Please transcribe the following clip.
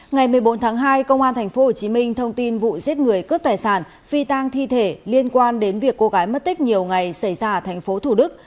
ngày một mươi bốn tháng hai công an tp hcm thông tin vụ giết người cướp tài sản phi tang thi thể liên quan đến việc cô gái mất tích nhiều ngày xảy ra ở tp thủ đức